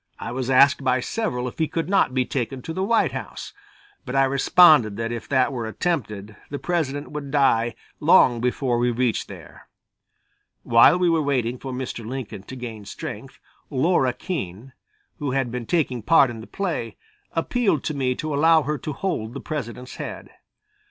I was asked by several if he could not be taken to the White House, but I responded that if that were attempted the President would die long before we reached there. While we were waiting for Mr. Lincoln to gain strength Laura Keene, who had been taking part in the play, appealed to me to allow her to hold the President's head.